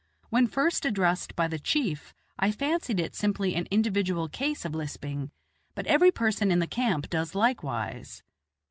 When first addressed by the chief, I fancied it simply an individual case of lisping; but every person in the camp does likewise.